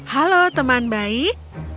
halo teman baik